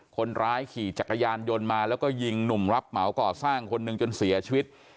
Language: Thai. คนร้ายขี่จักรยานยนต์มาแล้วก็ยิงหนุ่มรับเหมาก่อสร้างคนหนึ่งจนเสียชีวิต